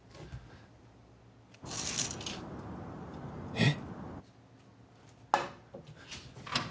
えっ？